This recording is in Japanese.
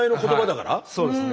そうですね。